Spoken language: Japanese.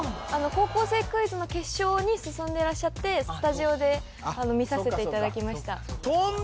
「高校生クイズ」の決勝に進んでらっしゃってスタジオで見させていただきました